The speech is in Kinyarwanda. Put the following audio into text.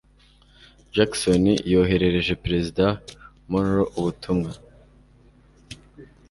Jackson yoherereje perezida Monroe ubutumwa.